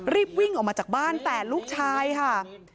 รีบวิ่งออกมาจากบ้านแต่ลูกชายค่ะ